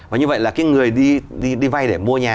và như vậy là cái người đi vay để mua nhà